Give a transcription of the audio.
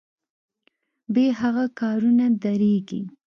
بې هغه کارونه دریږي.